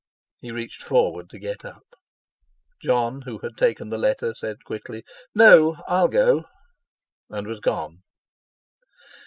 He reached forward to get up. Jon, who had taken the letter, said quickly, "No, I'll go"; and was gone.